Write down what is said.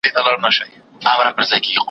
چې مادي شیان